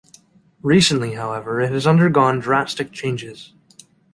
Recently, however, it has undergone drastic changes.